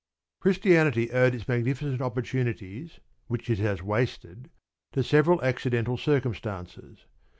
Christianity owed its magnificent opportunities (which it has wasted) to several accidental circumstances.